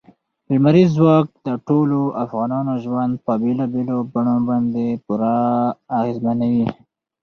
لمریز ځواک د ټولو افغانانو ژوند په بېلابېلو بڼو باندې پوره اغېزمنوي.